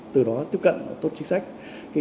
từ đó tiếp cận tốt chính sách